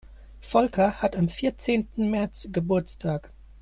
Volker hat am vierzehnten März Geburtstag.